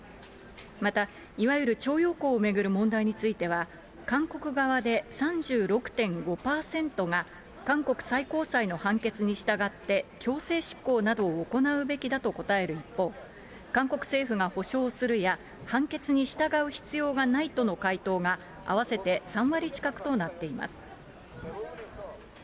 またいわゆる徴用工を巡る問題については、韓国側で３６．５％が、韓国最高裁の判決に従って、強制執行などを行うべきだと答える一方、韓国政府が補償するや、判決に従う必要がないとの回答が合わせて３割近くとなっています。